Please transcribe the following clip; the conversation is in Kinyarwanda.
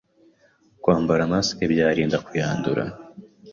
Kwambara mask byarinda kuyandura